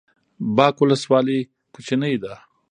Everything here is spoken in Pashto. باک ولسوالۍ کوچنۍ ده؟